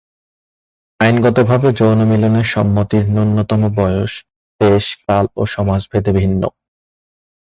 আইনগতভাবে যৌন মিলনে সম্মতির ন্যূনতম বয়স দেশ, কাল ও সমাজ ভেদে ভিন্ন।